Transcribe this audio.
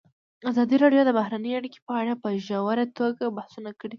ازادي راډیو د بهرنۍ اړیکې په اړه په ژوره توګه بحثونه کړي.